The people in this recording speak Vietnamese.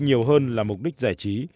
nhiều hơn là mục đích giải trí